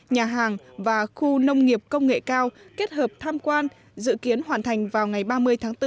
nhà hàng và khu nông nghiệp công nghệ cao kết hợp tham quan dự kiến hoàn thành vào ngày ba mươi tháng bốn